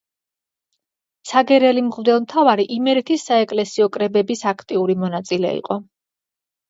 ცაგერელი მღვდელმთავარი იმერეთის საეკლესიო კრებების აქტიური მონაწილე იყო.